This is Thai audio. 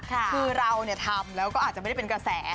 คือเราทำแล้วก็อาจจะไม่ได้เป็นกระแส